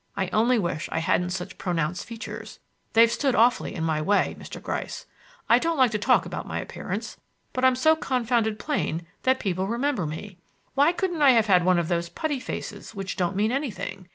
I only wish I hadn't such pronounced features. They've stood awfully in my way, Mr. Gryce. I don't like to talk about my appearance, but I'm so confounded plain that people remember me. Why couldn't I have had one of those putty faces which don't mean anything?